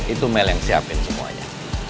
itu mel yang siapin semuanya